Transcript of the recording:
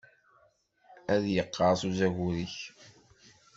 Ad yeqqerṣ uzagur-ik.